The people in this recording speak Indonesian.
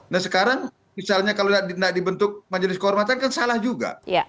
nah sekarang misalnya kalau tidak dibentuk majelis kehormatan kan salah juga